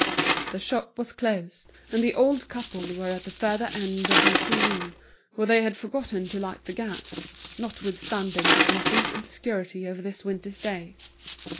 The shop was closed, and the old couple were at the further end of the little room, where they had forgotten to light the gas, notwithstanding the complete obscurity of this winter's day.